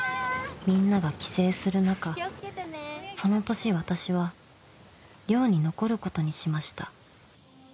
［みんなが帰省する中その年私は寮に残ることにしました］